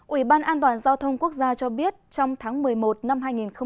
ủy ban an toàn giao thông quốc gia cho biết trong tháng một mươi một năm hai nghìn một mươi chín